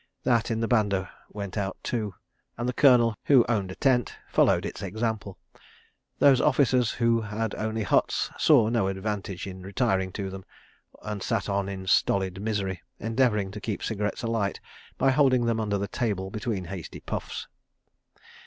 That in the banda went out too, and the Colonel, who owned a tent, followed its example. Those officers who had only huts saw no advantage in retiring to them, and sat on in stolid misery, endeavouring to keep cigarettes alight by holding them under the table between hasty puffs.